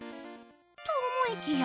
と思いきや